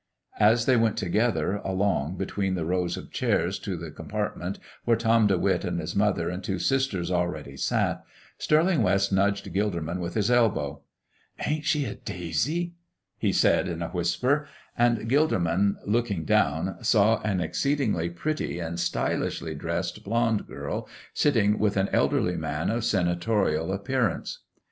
As they went together along between the rows of chairs to the compartment where Tom De Witt and his mother and two sisters already sat, Stirling West nudged Gilderman with his elbow. "Ain't she a daisy!" he said, in a whisper. And Gilderman, looking down, saw an exceedingly pretty and stylishly dressed blond girl sitting with an elderly man of senatorial appearance.